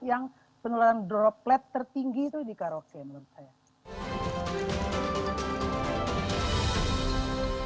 yang penularan droplet tertinggi itu di karaoke menurut saya